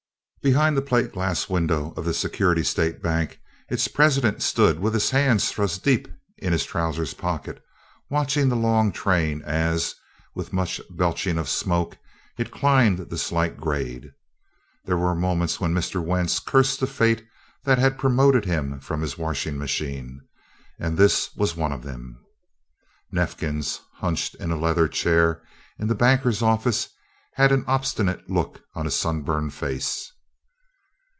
Behind the plate glass window of the Security State Bank its president stood with his hands thrust deep in his trousers' pockets watching the long train as, with much belching of smoke, it climbed the slight grade. There were moments when Mr. Wentz cursed the Fate that had promoted him from his washing machine, and this was one of them. Neifkins, hunched in a leather chair in the banker's office, had an obstinate look on his sunburned face.